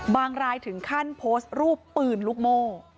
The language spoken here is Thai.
รายถึงขั้นโพสต์รูปปืนลูกโม่